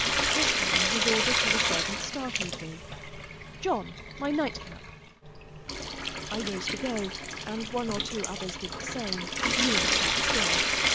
This time his order to the servant startled me: "'John, my night cap!' "I rose to go, and one or two others did the same; Neal sat still.